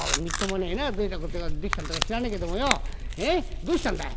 どうしたんだい？」。